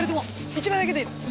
１枚だけでいいの！